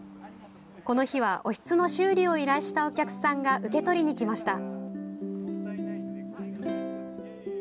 この日はおひつの修理を依頼したお客さんが受け取りにきました。